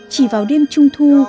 chỉ vào đêm trung thu